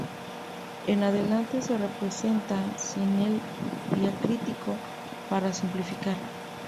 En adelante se representa sin el diacrítico para simplificar.